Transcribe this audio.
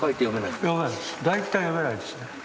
大体読めないですね。